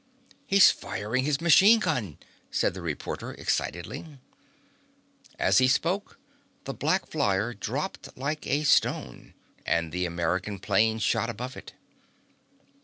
"He's firing his machine gun!" said the reporter excitedly. As he spoke the black flyer dropped like a stone, and the American plane shot above it.